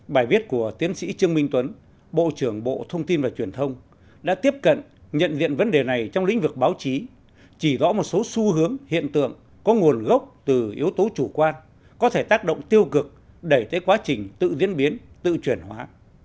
bài viết của tiến sĩ trương minh tuấn bộ trưởng bộ thông tin và truyền thông đã tiếp cận nhận diện vấn đề này trong lĩnh vực báo chí chỉ rõ một số xu hướng hiện tượng có nguồn gốc từ yếu tố chủ quan có thể tác động tiêu cực đẩy tới quá trình tự diễn biến tự chuyển hóa